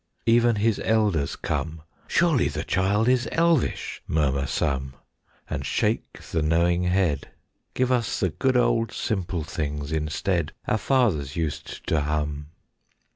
Even his elders come. "Surely the child is elvish," murmur some, And shake the knowing head; "Give us the good old simple things instead, Our fathers used to hum."